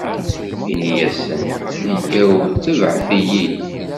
Inna-asen: Yyaw, tebɛet-iyi-d!